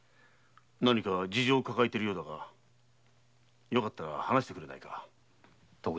何か事情を抱えてるようだがよかったら話してくれないか？